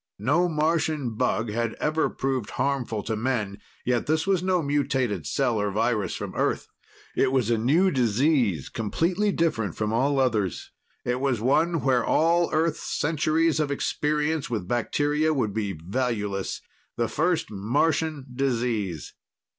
No Martian bug had ever proved harmful to men. Yet this was no mutated cell or virus from Earth; it was a new disease, completely different from all others. It was one where all Earth's centuries of experience with bacteria would be valueless the first Martian disease.